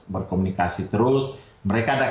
berkomunikasi terus mereka ada